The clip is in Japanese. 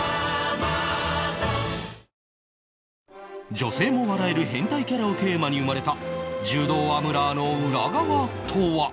女性も笑える変態キャラをテーマに生まれた柔道アムラーの裏側とは？